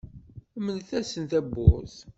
Mlet-asent tawwurt.